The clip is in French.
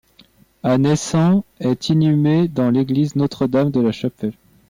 Anneessens est inhumé dans l’église Notre-Dame de la Chapelle.